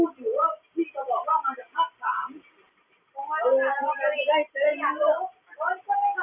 ไม่เคยเจองั้น